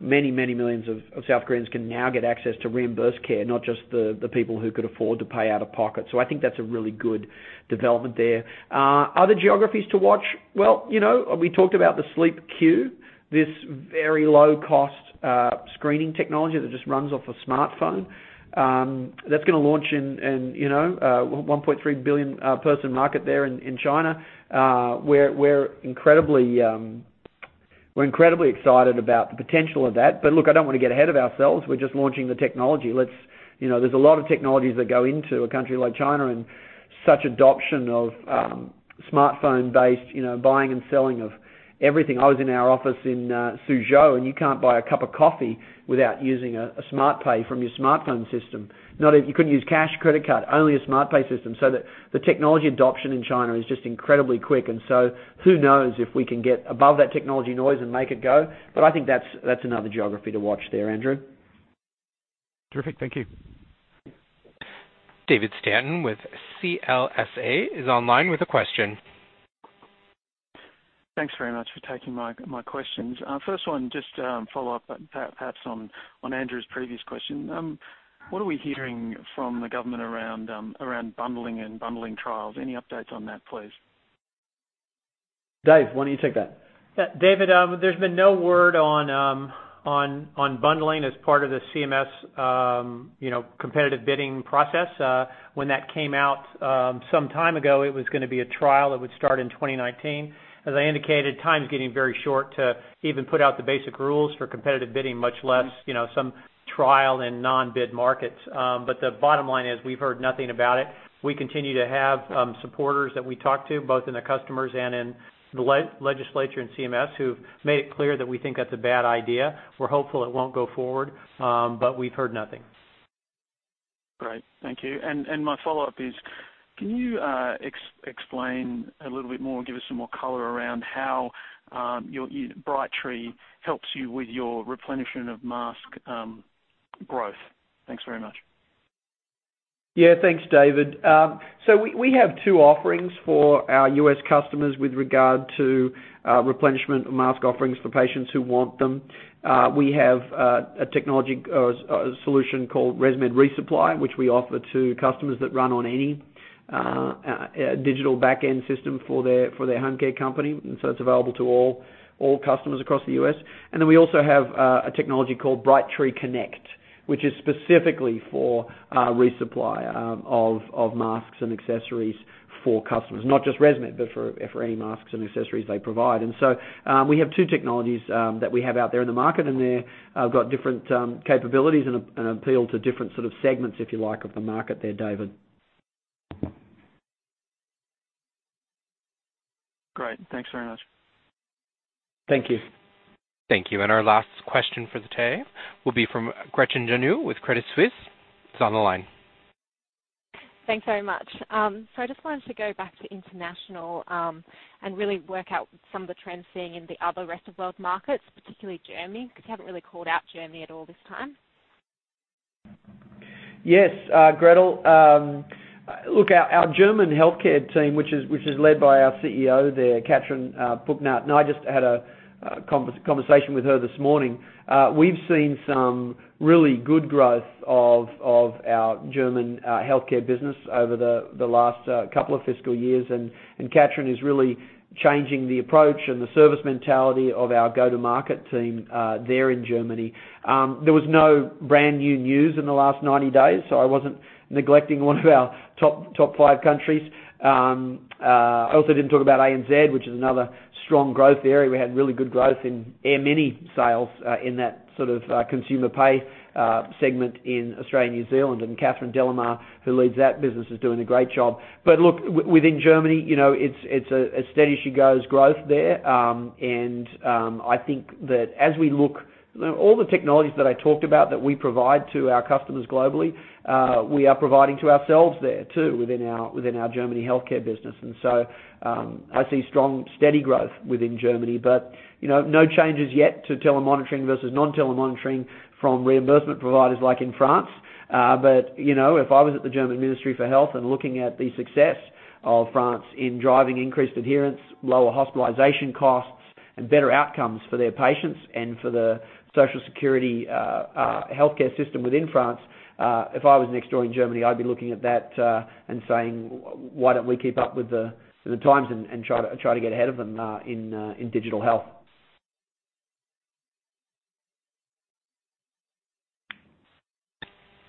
Many millions of South Koreans can now get access to reimbursed care, not just the people who could afford to pay out of pocket. I think that's a really good development there. Other geographies to watch. Well, we talked about the SleepScore, this very low-cost screening technology that just runs off a smartphone. That's going to launch in a 1.3 billion person market there in China. We're incredibly excited about the potential of that. Look, I don't want to get ahead of ourselves. We're just launching the technology. There's a lot of technologies that go into a country like China and such adoption of smartphone-based buying and selling of everything. I was in our office in Suzhou, and you can't buy a cup of coffee without using a smart pay from your smartphone system. You couldn't use cash or credit card, only a smart pay system. The technology adoption in China is just incredibly quick. Who knows if we can get above that technology noise and make it go. I think that's another geography to watch there, Andrew. Terrific. Thank you. David Stanton with CLSA is online with a question. Thanks very much for taking my questions. First one, just follow up perhaps on Andrew's previous question. What are we hearing from the government around bundling and bundling trials? Any updates on that, please? Dave, why don't you take that? Yeah, David, there's been no word on bundling as part of the CMS competitive bidding process. When that came out some time ago, it was going to be a trial that would start in 2019. As I indicated, time's getting very short to even put out the basic rules for competitive bidding, much less some trial in non-bid markets. The bottom line is, we've heard nothing about it. We continue to have supporters that we talk to, both in the customers and in the legislature and CMS, who've made it clear that we think that's a bad idea. We're hopeful it won't go forward, we've heard nothing. Great. Thank you. My follow-up is, can you explain a little bit more and give us some more color around how Brightree helps you with your replenishment of mask growth? Thanks very much. Yeah. Thanks, David. We have two offerings for our U.S. customers with regard to replenishment of mask offerings for patients who want them. We have a technology solution called ResMed ReSupply, which we offer to customers that run on any digital back-end system for their home care company, and it's available to all customers across the U.S. We also have a technology called Brightree Connect, which is specifically for resupply of masks and accessories for customers. Not just ResMed, but for any masks and accessories they provide. We have two technologies that we have out there in the market, and they've got different capabilities and appeal to different sort of segments, if you like, of the market there, David. Great. Thanks very much. Thank you. Thank you. Our last question for the day will be from Gretel Janu with Credit Suisse, is on the line. Thanks very much. I just wanted to go back to international, and really work out some of the trends seen in the other rest-of-world markets, particularly Germany, because you haven't really called out Germany at all this time. Yes, Gretel. Our German healthcare team, which is led by our CEO there, Katrin Pucknat, I just had a conversation with her this morning. We've seen some really good growth of our German healthcare business over the last couple of fiscal years, Katrin is really changing the approach and the service mentality of our go-to-market team there in Germany. There was no brand-new news in the last 90 days, I wasn't neglecting one of our top five countries. I also didn't talk about ANZ, which is another strong growth area. We had really good growth in AirMini sales, in that sort of consumer pay segment in Australia and New Zealand. Catherine Delahaye, who leads that business, is doing a great job. Within Germany, it's a steady as she goes growth there. I think that as we look, all the technologies that I talked about that we provide to our customers globally, we are providing to ourselves there too, within our Germany healthcare business. I see strong, steady growth within Germany. No changes yet to telemonitoring versus non-telemonitoring from reimbursement providers like in France. If I was at the Federal Ministry of Health and looking at the success of France in driving increased adherence, lower hospitalization costs, and better outcomes for their patients and for the social security healthcare system within France. If I was next door in Germany, I'd be looking at that, and saying, "Why don't we keep up with the times and try to get ahead of them in digital health?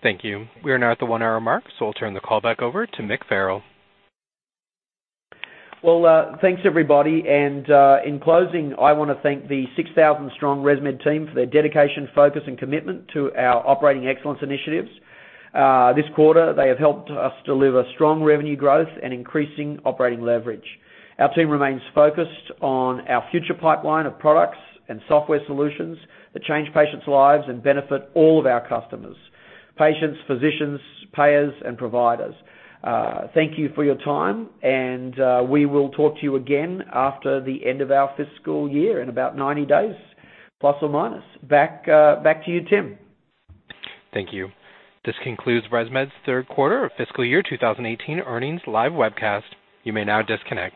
Thank you. We are now at the one-hour mark, I'll turn the call back over to Mick Farrell. Well, thanks, everybody. In closing, I want to thank the 6,000-strong ResMed team for their dedication, focus, and commitment to our operating excellence initiatives. This quarter, they have helped us deliver strong revenue growth and increasing operating leverage. Our team remains focused on our future pipeline of products and software solutions that change patients' lives and benefit all of our customers: patients, physicians, payers, and providers. Thank you for your time, and we will talk to you again after the end of our fiscal year in about 90 days, plus or minus. Back to you, Tim. Thank you. This concludes ResMed's third quarter of fiscal year 2018 earnings live webcast. You may now disconnect.